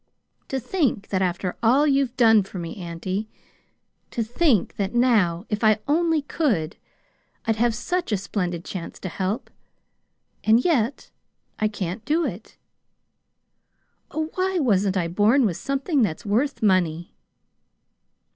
"To think that after all you've done for me, auntie to think that now, if I only could, I'd have such a splendid chance to help! And yet I can't do it. Oh, why wasn't I born with something that's worth money?"